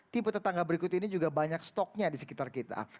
tipe tetangga berikut ini juga banyak stoknya di sekitar kita